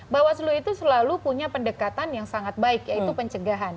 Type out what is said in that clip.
bawaslu itu selalu punya pendekatan yang sangat baik yaitu pencegahan